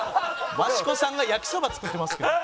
益子さんが焼きそば作ってますけど。